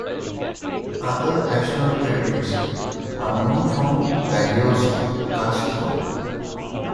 Other ashlar-buildings are known from Palaeokastro.